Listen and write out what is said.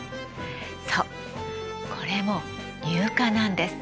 そうこれも乳化なんです。